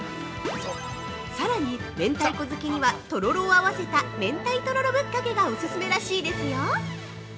さらに、明太子好きには、とろろを合わせた、明太とろろぶっかけがオススメらしいですよ。